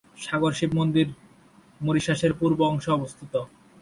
সাগর শিব মন্দির মরিশাসের পূর্ব অংশে অবস্থিত।